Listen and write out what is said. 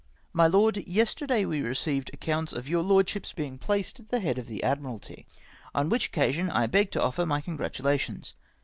]My Lord, — Yesterday we received accounts of your Lord slap's being placed at the head of the Admiralty, on which occasion I beg to offer my congratulations.